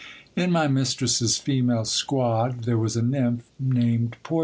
In my mistress's female squad there was a nymph named Portia.